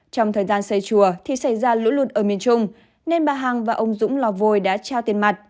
trong thời gian xây chùa thì xảy ra lũ lụt ở miền trung nên bà hằng và ông dũng lò vôi đã trao tiền mặt